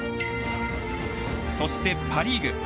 そしてパ・リーグ。